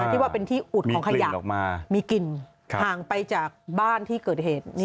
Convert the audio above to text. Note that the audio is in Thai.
ที่ว่าเป็นที่อุดของขยะมีกลิ่นห่างไปจากบ้านที่เกิดเหตุ